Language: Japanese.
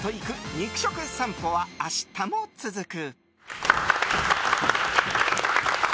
肉食さんぽは明日も続く。